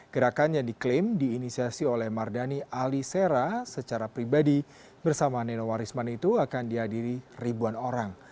gerakan yang diklaim diinisiasi oleh mardhani alisera secara pribadi bersama nenowarisman itu akan dihadiri ribuan orang